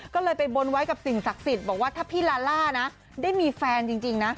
ก็เลยไปบนไว้กับสิ่งศักดิ์สิทธิ์บอกว่าถ้าพี่ลาล่านะได้มีแฟนจริงนะ